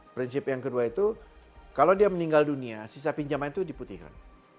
prinsip yang kedua itu kalau dia meninggal dunia sisa pinjaman itu diputihkan